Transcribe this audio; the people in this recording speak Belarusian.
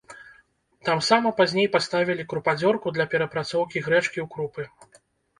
Тамсама пазней паставілі крупадзёрку для перапрацоўкі грэчкі ў крупы.